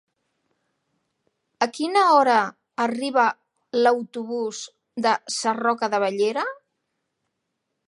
A quina hora arriba l'autobús de Sarroca de Bellera?